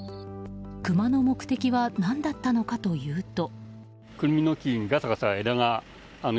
クマの目的は何だったのかというと。